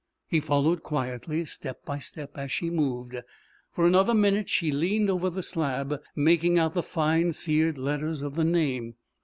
He followed, quietly, step by step as she moved. For another minute she leaned over the slab, making out the fine seared letters of the name.